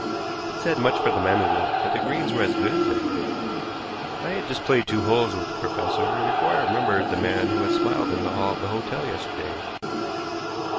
It said much for the management that the greens were as good as they were. I had just played two holes with the professor before I remembered the man who had smiled in the hall of the hotel yesterday.